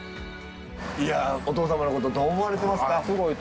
いやお父様のことどう思われてますか？